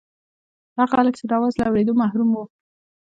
هغه خلک چې د اواز له اورېدو محروم وو.